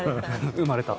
生まれた。